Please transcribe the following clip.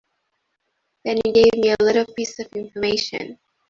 Then you gave me a little piece of information.